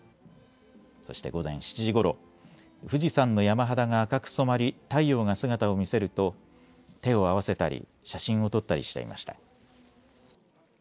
そして午前７時ごろ、富士山の山肌が赤く染まり太陽が姿を見せると手を合わせたり写真を撮ったりしていました。